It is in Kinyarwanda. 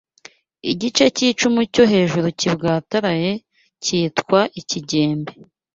Igice k’icumu cyo hejuru kibwataraye cyitwa ikigembe